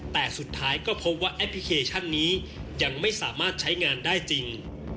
แต่สุดท้ายก็พบว่าแอปพลิเคชันนี้ยังไม่สามารถใช้งานได้จริง